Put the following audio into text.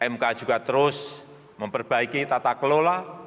mk juga terus memperbaiki tata kelola